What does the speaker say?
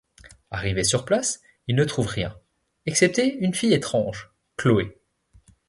Arrivés sur place, ils ne trouvent rien, excepté une fille étrange, Chloé.